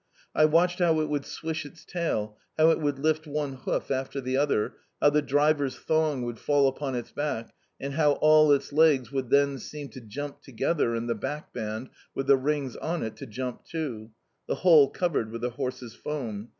I watched how it would swish its tail, how it would lift one hoof after the other, how the driver's thong would fall upon its back, and how all its legs would then seem to jump together and the back band, with the rings on it, to jump too the whole covered with the horse's foam.